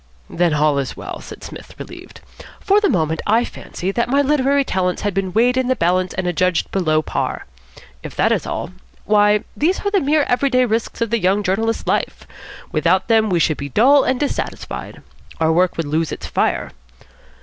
"Then all is well," said Psmith, relieved. "For the moment I fancied that my literary talents had been weighed in the balance and adjudged below par. If that is all why, these are the mere everyday risks of the young journalist's life. Without them we should be dull and dissatisfied. Our work would lose its fire.